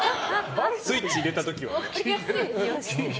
スイッチ入れた時はね。